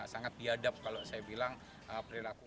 sangat biadab kalau saya bilang perilaku